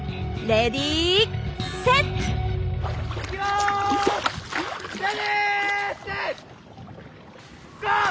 レディーセットゴー！